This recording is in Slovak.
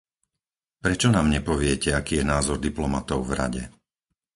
Prečo nám nepoviete, aký je názor diplomatov v Rade?